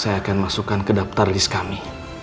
saya akan masukkan ke daftar list kami